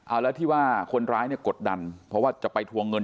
เอาแล้วที่ว่าคนร้ายเนี่ยกดดันเพราะว่าจะไปทวงเงิน